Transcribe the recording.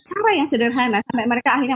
cara yang sederhana sampai mereka akhirnya